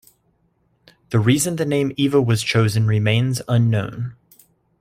The reason the name Eva was chosen remains unknown.